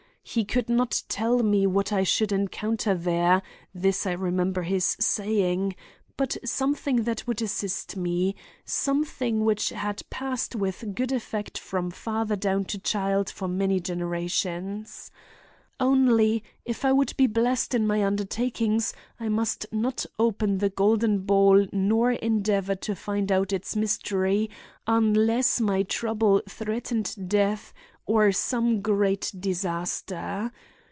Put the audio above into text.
He could not tell me what I should encounter—there this I remember his saying—but something that would assist me, something which had passed with good effect from father down to child for many generations. Only, if I would be blessed in my undertakings, I must not open the golden ball nor endeavor to find out its mystery unless my trouble threatened death or some great disaster.